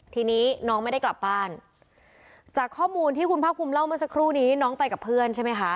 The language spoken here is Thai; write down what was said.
ทีนี้น้องไม่ได้กลับบ้านจากข้อมูลที่คุณภาคภูมิเล่าเมื่อสักครู่นี้น้องไปกับเพื่อนใช่ไหมคะ